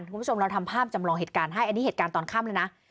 คุณผู้ชมเราทำภาพจำลองเหตุการณ์ให้อันนี้เหตุการณ์ตอนค่ำเลยนะ